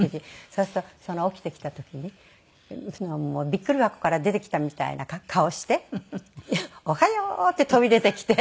そうするとその起きてきた時にびっくり箱から出てきたみたいな顔して「おはよう！」って飛び出てきて。